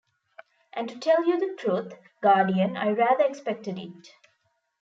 And to tell you the truth, guardian, I rather expected it.